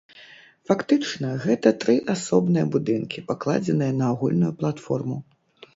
Фактычна, гэта тры асобныя будынкі, пакладзеныя на агульную платформу.